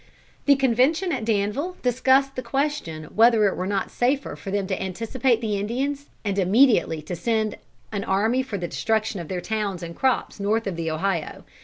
The convention at Danville discussed the question whether it were not safer for them to anticipate the Indians, and immediately to send an army for the destruction of their towns and crops north of the Ohio.